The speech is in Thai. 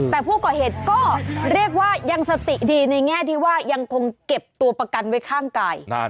แต่ผู้ก่อเหตุก็เรียกว่ายังสติดีในแง่ที่ว่ายังคงเก็บตัวประกันไว้ข้างกาย